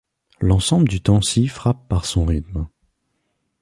L'ensemble du tanci frappe par son rythme.